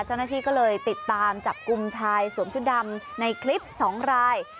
เจ้าหน้าที่ก็เลยติดตามจับกลุ่มชายสวมชุดดำในคลิป๒ราย